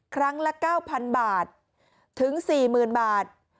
ครั้งละ๙๐๐บาทถึง๔๐๐๐บาท